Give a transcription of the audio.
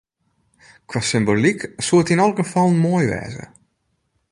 Kwa symboalyk soe it yn alle gefallen moai wêze.